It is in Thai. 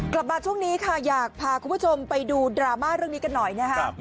กลับมาช่วงนี้ค่ะอยากพาคุณผู้ชมไปดูดราม่าเรื่องนี้กันหน่อยนะฮะ